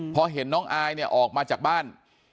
พอเห็นน้องอายเนี่ยออกมาจากบ้าน